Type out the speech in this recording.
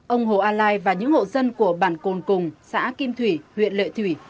ông hồ a lai và những hộ dân của bản cồn cùng xã kim thủy huyện lệ thủy